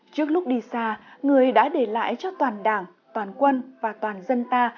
trước lúc đi xa người đã để lại cho toàn đảng toàn quân và toàn dân ta